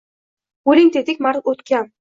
Bo‘ling tetik, mard-o‘ktam.